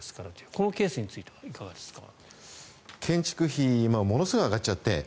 このケースについてはいかがですか？